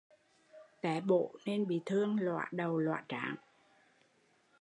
Té bổ nên bị thương lõa đầu lõa trán